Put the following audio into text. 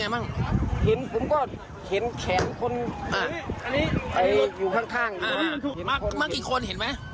มากี่คนเห็นไหม